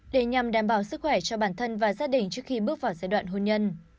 để nhằm đảm bảo sức khỏe cho bản thân và gia đình trước khi bước vào giai đoạn hôn nhân